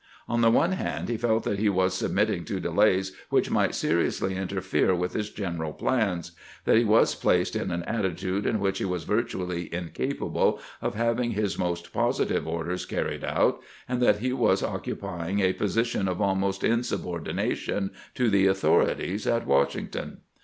On the one hand, he felt that he was submit ting to delays which might seriously interfere with his general plans ; that he was placed in an attitude in which he was virtually incapable of having his most positive orders carried out ; and that he was occupying a posi tion of almost insubordination to the authorities at Washington.